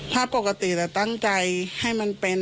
ถ้าปกติเราตั้งใจให้มันเป็น